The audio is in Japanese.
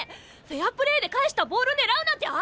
フェアプレーで返したボール狙うなんてあり！？